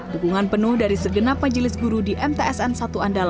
hubungan penuh dari segenap majelis guru di mtsn satu andalan membuat lita kian percaya diri